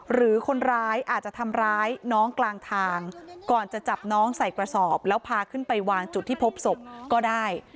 หรือคนร้ายอาจจะทำร้ายน้องกลางทางก่อนจะจับน้องใส่กระสอบแล้วพาขึ้นไปวางจุดที่พบศพก็ได้